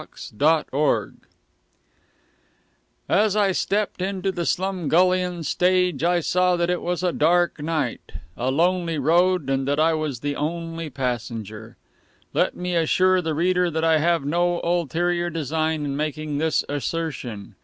A LONELY RIDE As I stepped into the Slumgullion stage I saw that it was a dark night, a lonely road, and that I was the only passenger. Let me assure the reader that I have no ulterior design in making this assertion.